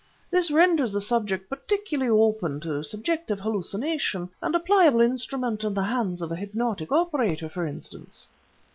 This renders the subject particularly open to subjective hallucination, and a pliable instrument in the hands of a hypnotic operator, for instance."